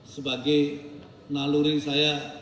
sebagai naluri saya